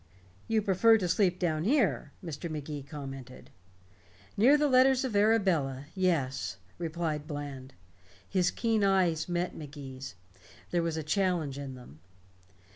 "You prefer to sleep down here," Mr. Magee commented. "Near the letters of Arabella yes," replied Bland. His keen eyes met Magee's. There was a challenge in them.